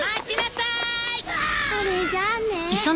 あれじゃあね。